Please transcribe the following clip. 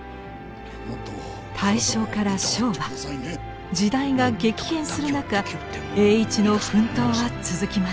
大正から昭和時代が激変する中栄一の奮闘は続きます。